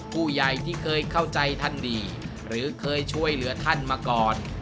ผู้ใหญ่ที่เคยเข้าใจท่านดีหรือเคยช่วยเหลือท่านมาก่อน